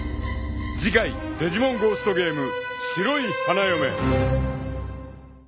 ［次回『デジモンゴーストゲーム』］